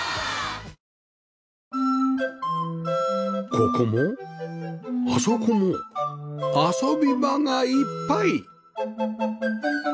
ここもあそこも遊び場がいっぱい！